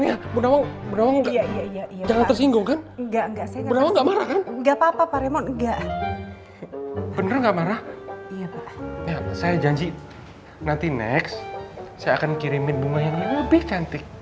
ya saya janji nanti next saya akan kirimin bunga yang lebih cantik